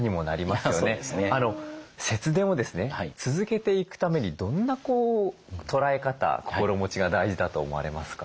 節電をですね続けていくためにどんな捉え方心持ちが大事だと思われますか？